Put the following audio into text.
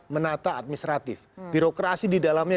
menata administratif birokrasi di dalamnya